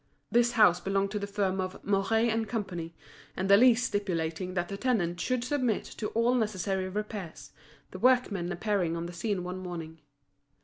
This house belonged to the firm of Mouret & Co., and the lease stipulating that the tenant should submit to all necessary repairs, the workmen appeared on the scene one morning.